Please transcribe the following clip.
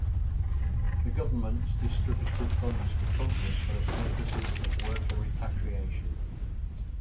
The government distributed funds to companies for the purposes of worker repatriation.